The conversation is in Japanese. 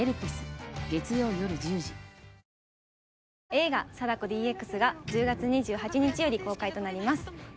映画「貞子ＤＸ」が１０月２８日より公開となります。